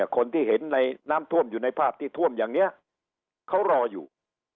คนที่เห็นในน้ำท่วมอยู่ในภาพที่ท่วมอย่างนี้เขารออยู่